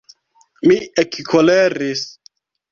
Mi ekkoleris.